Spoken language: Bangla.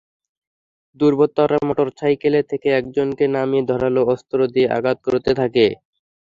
দুর্বৃত্তরা মোটরসাইকেল থেকে একজনকে নামিয়ে ধারালো অস্ত্র দিয়ে আঘাত করতে থাকে।